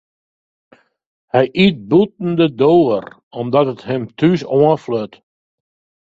Hy yt bûten de doar omdat it him thús oanfljocht.